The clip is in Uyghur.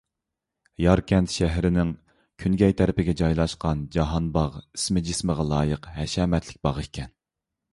ياركەنت شەھىرىنىڭ كۈنگەي تەرىپىگە جايلاشقان جاھانباغ ئىسمى-جىسمىغا لايىق ھەشەمەتلىك باغ ئىدى.